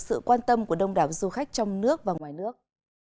sự quan tâm của đông đảo du khách trong nước và ngoài nước